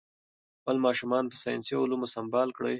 خپل ماشومان په ساینسي علومو سمبال کړئ.